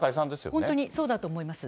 本当にそうだと思います。